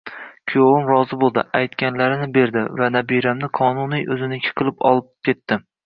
Kuyovim rozi bo`ldi, aytganlarini berdi va nabiramni qonunan o`ziniki qilib olib ketdi